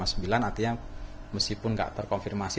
artinya meskipun tidak terkonfirmasi